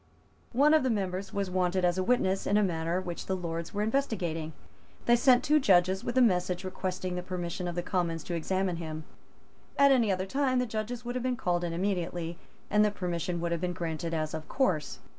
One of the members was wanted as a witness in a matter which the Lords were investigating. They sent two judges with a message requesting the permission of the Commons to examine him. At any other time the judges would have been called in immediately, and the permission would have been granted as of course.